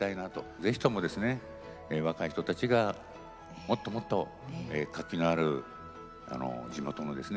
是非ともですね若い人たちがもっともっと活気のある地元のですね